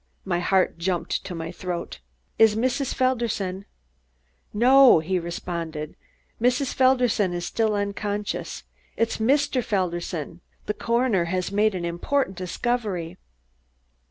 My heart jumped to my throat. "Is Mrs. Felderson ?" "No," he responded, "Mrs. Felderson is still unconscious. It is Mr. Felderson. The coroner has made an important discovery."